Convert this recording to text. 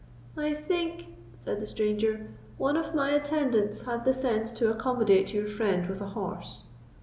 "I think," said the stranger, "one of my attendants had the sense to accommodate your friend with a horse."